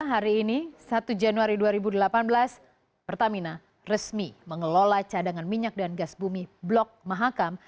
hari ini satu januari dua ribu delapan belas pertamina resmi mengelola cadangan minyak dan gas bumi blok mahakam